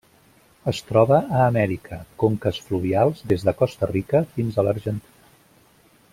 Es troba a Amèrica: conques fluvials des de Costa Rica fins a l'Argentina.